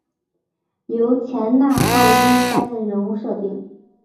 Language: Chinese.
由前纳浩一担任人物设定。